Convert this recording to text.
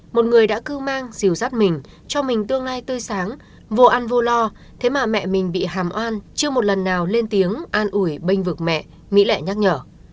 một người đã cưu mang dìu dắt mình cho mình tương lai tươi sáng vô ăn vô lo thế mà mẹ mình bị hàm oan chưa một lần nào lên tiếng an ủi bên vực mẹ mỹ lại nhắc nhở